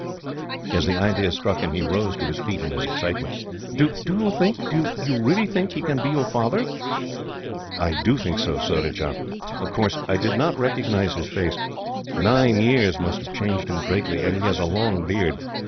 And as the idea struck him, he rose to his feet in his excitement. "Do you think do you really think he can be your father?" "I do think so, Surajah. Of course, I did not recognise his face. Nine years must have changed him greatly, and he has a long beard.